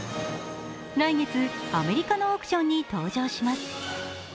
来月、アメリカのオークションに登場します。